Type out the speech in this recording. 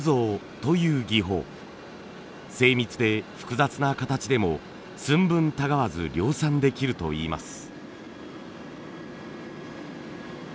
精密で複雑な形でも寸分たがわず量産できるといいます。